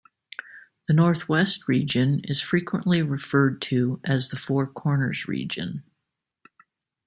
The Northwest Region is frequently referred to as the "Four-Corners Region".